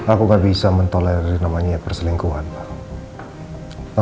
aku gak bisa mentolerir namanya perselingkuhan pak